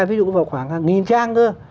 ví dụ vào khoảng hàng nghìn trang thôi